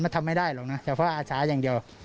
มันทำไม่ได้หรอกนะเฉพาะอาสาอย่างเดียว